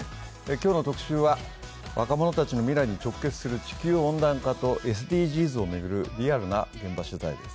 今日の特集は若者たちの未来に直結する地球温暖化とＳＤＧｓを巡るリアルな現場取材です。